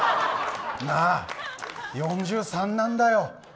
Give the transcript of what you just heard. なあ、４３歳なんだよ？